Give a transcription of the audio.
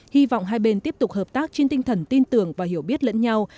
hy vọng hai bên tiếp tục hợp tác trên tinh thần tin tưởng và hiểu biết lẫn nhau